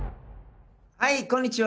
はいこんにちは。